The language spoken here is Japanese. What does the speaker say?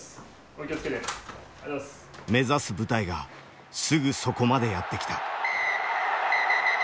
目指す舞台がすぐそこまでやって来た。